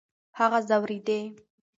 هغه ځورېدی .